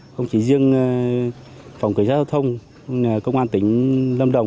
không chỉ riêng phòng cửa giao thông công an tỉnh lâm đồng